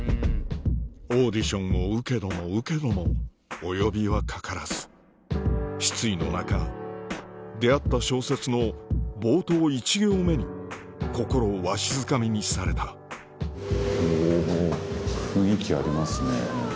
オーディションを受けども受けどもお呼びはかからず失意の中出合った小説の冒頭１行目に心をわしづかみにされたお。